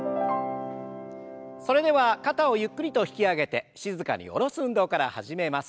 それでは肩をゆっくりと引き上げて静かに下ろす運動から始めます。